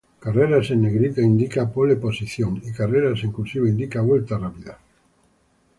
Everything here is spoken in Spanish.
Carreras en negrita indica pole position y carreras en "cursiva" indica vuelta rápida.